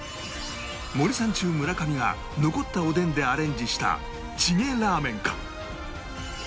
森三中村上が残ったおでんでアレンジしたチゲラーメンか？